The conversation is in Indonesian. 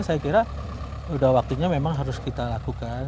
saya kira sudah waktunya memang harus kita lakukan